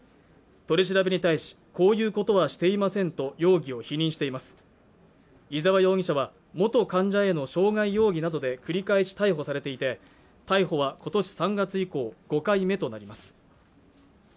取り調べに対しこういうことはしていませんと容疑を否認しています伊沢容疑者は元患者への傷害容疑などで繰り返し逮捕されていて逮捕はことし３月以降５回目となります